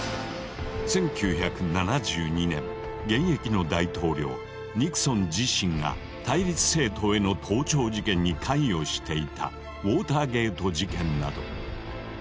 １９７２年現役の大統領ニクソン自身が対立政党への盗聴事件に関与していたウォーターゲート事件など。